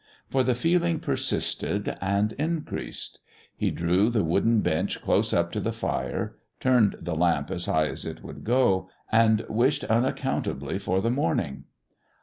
For the feeling persisted and increased. He drew the wooden bench close up to the fire, turned the lamp as high as it would go, and wished unaccountably for the morning.